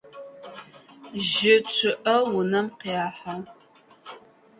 Жьы чъыӏэ унэм къехьэ.